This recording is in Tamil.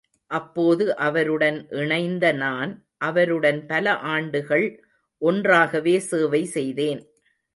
அப்போது அவருடன் இணைந்த நான், அவருடன் பல ஆண்டுகள் ஒன்றாகவே சேவை செய்தேன்.